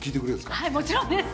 はいもちろんです。